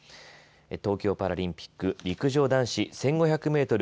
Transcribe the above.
東京パラリンピック陸上男子１５００メートル